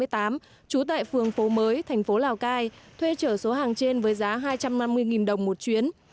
trú tại phường phố mới thành phố lào cai thuê chở số hàng trên với giá hai trăm năm mươi đồng một chuyến